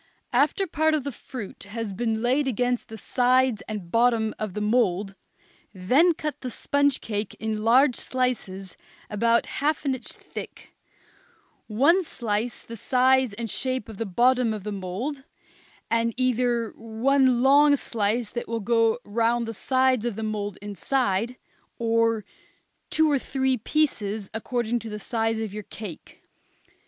After part of the fruit is laid against the sides and bottom of the mould, then cut the sponge cake in large slices about half an inch thick, one slice the size and shape of the bottom of the mould, and either one long slice that will go round the sides of the mould inside; or two or three pieces, according to the size of your cake.